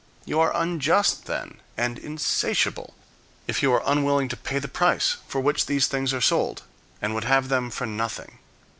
You are unjust, then, and insatiable, if you are unwilling to pay the price for which these things are sold, and would have them for nothing.